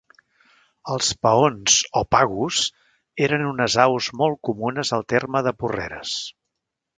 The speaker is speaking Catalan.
Els paons o pagos eren unes aus molt comunes al terme de Porreres.